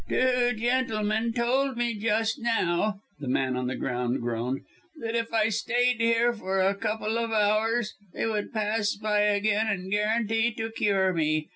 "Two gentlemen told me just now," the man on the ground groaned, "that if I stayed here for a couple of hours they would pass by again and guarantee to cure me.